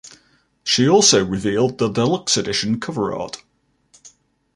She also revealed the deluxe edition cover art.